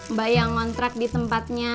mbak yang ngontrak di tempatnya